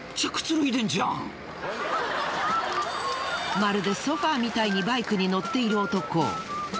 まるでソファみたいにバイクに乗っている男。